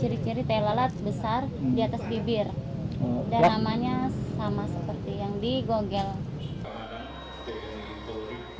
saya mempunyai ciri ciri telalat besar di atas bibir dan namanya sama seperti yang di google